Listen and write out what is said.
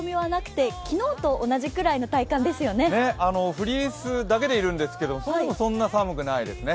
フリースだけでいるんですけど、そんなに寒くないですね。